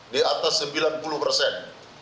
di atas sembilan puluh persen